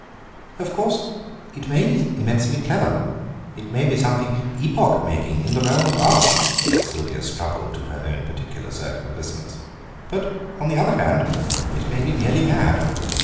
"Of course it may be immensely clever, it may be something epoch making in the realm of art," said Sylvia Strubble to her own particular circle of listeners, "but, on the other hand, it may be merely mad.